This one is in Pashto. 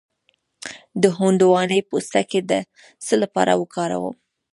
د هندواڼې پوستکی د څه لپاره وکاروم؟